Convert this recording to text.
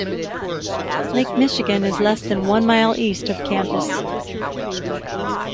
Lake Michigan is less than one mile east of campus.